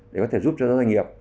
để giúp cho các doanh nghiệp